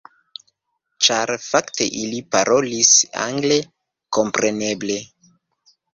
Ĉar fakte ili parolis angle, kompreneble.